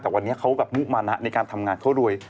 แต่วันนี้เขาแบบมุมานะในการทำงานเขารวย